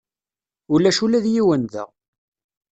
Ulac ula d yiwen da.